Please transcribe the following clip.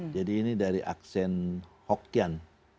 jadi ini dari aksen hokyan